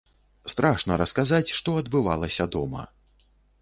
Страшна расказаць, што адбывалася дома.